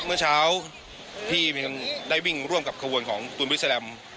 เมื่อเช้าที่ได้วิ่งร่วมกับขบวนของตูนบริสแลม